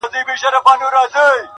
د شلو کارگانو علاج يوه ډبره ده.